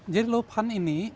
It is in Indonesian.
jadi lao pan ini